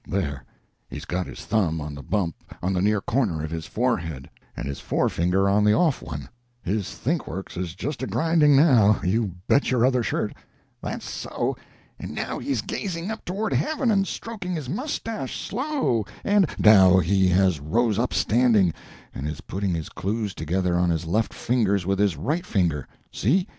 There he's got his thumb on the bump on the near corner of his forehead, and his forefinger on the off one. His think works is just a grinding now, you bet your other shirt." "That's so. And now he's gazing up toward heaven and stroking his mustache slow, and " "Now he has rose up standing, and is putting his clues together on his left fingers with his right finger. See?